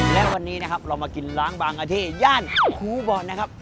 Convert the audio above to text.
และวันนี้นะครับเรามากินล้างบางอาเทย่านครูบอลนะครับ